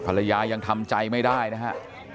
ภรรยายังทำใจไม่ได้นะฮะ